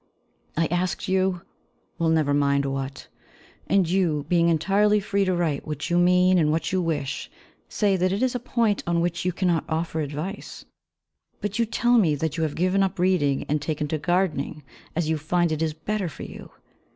I asked you well, never mind what and you, being entirely free to write what you mean and what you wish, say that it is a point on which you cannot offer advice; but you tell me that you have given up reading and taken to gardening, as you find it is better for you!